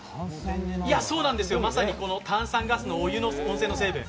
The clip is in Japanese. そうなんです、まさに炭酸ガスのお湯の温泉の成分。